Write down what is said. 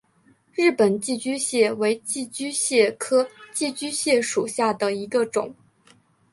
日本寄居蟹为寄居蟹科寄居蟹属下的一个种。